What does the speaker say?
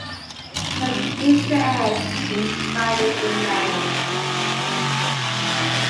There is an easter egg inside the inlay.